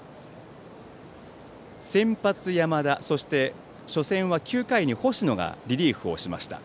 先発、山田そして初戦は９回に星野がリリーフしました。